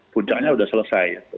puncaknya sudah selesai